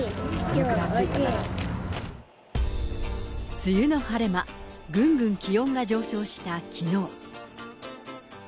梅雨の晴れ間、ぐんぐん気温が上昇したきのう。